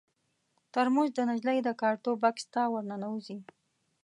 ترموز د نجلۍ د کارتو بکس ته ور ننوځي.